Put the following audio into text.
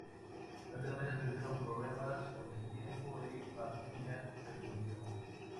Rápidamente tuvieron problemas con el tiempo y MacMillan se volvió.